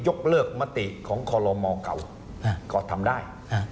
ยกเลิกมติของคอลโลมเก่าก็ทำได้